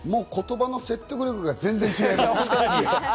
言葉の説得力が全然違います。